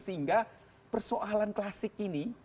sehingga persoalan klasik ini